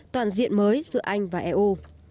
toàn diện mới giữa anh và eu